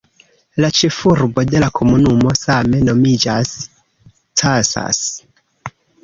La ĉefurbo de la komunumo same nomiĝas "Casas".